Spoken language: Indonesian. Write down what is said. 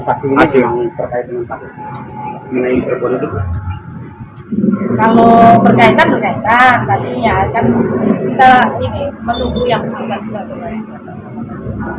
tadi ya kan kita ini menunggu yang berkaitan